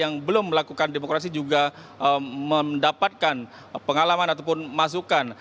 yang belum melakukan demokrasi juga mendapatkan pengalaman ataupun masukan